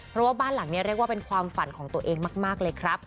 เพราะว่าบ้านหลังนี้เรียกว่าเป็นความฝันของตัวเองมากเลยครับ